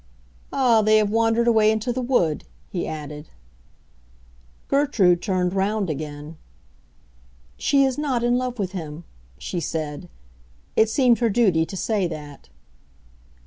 "Ah, they have wandered away into the wood," he added. Gertrude turned round again. "She is not in love with him," she said; it seemed her duty to say that.